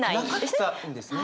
なかったんですね？